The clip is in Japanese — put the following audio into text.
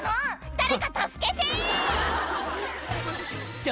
誰か助けて！」